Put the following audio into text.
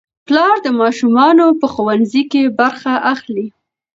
پلار د ماشومانو په ښوونځي کې برخه اخلي